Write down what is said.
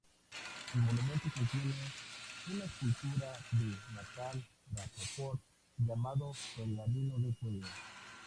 El monumento contiene una escultura de Nathan Rapoport, llamado "Pergamino de Fuego".